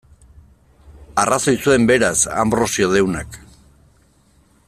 Arrazoi zuen, beraz, Anbrosio deunak.